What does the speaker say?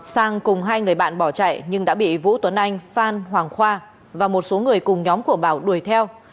sang cùng hai người bạn bỏ chạy nhưng đã bị vũ tuấn anh phan hoàng khoa và một số người cùng nhóm của bảo đuổi theo